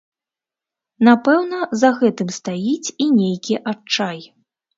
Напэўна, за гэтым стаіць і нейкі адчай.